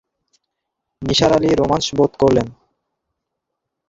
নিসার আলি রোমাঞ্চ বোধ করলেন।